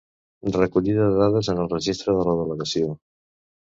Recollida de dades en el registre de la delegació.